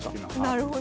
なるほど。